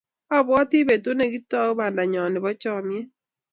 Abwati petut ne kikitau pandanyon nepo chomyet.